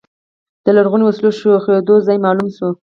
د لرغونو وسلو ښخېدو ځای معلوم شو.